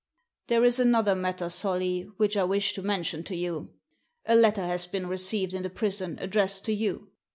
"There is another matter, Solly, which I wish to mention to you. A letter has been received in the prison addressed to you.